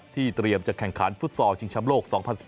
เตรียมจะแข่งขันฟุตซอลชิงชำโลก๒๐๑๘